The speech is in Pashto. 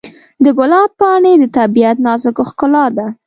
د ګلاب پاڼې د طبیعت نازک ښکلا ده.